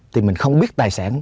thì mình không biết tài sản là gì